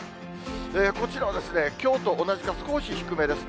こちらはきょうと同じか少し低めです。